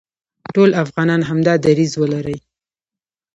ټول افغانان همدا دریځ ولري،